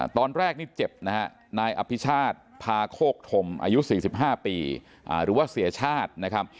ตอนแรกนี่เจ็บนะฮะนายอภิชาติพาโคกธมอายุ๔๕ปีหรือว่าเสียชาตินะครับ